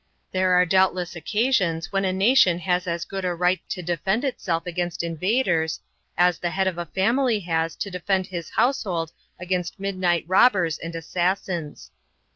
There are doubtless occasions when a nation has as good a right to defend itself against invaders as the head of a family has to defend his household against midnight robbers and assassins.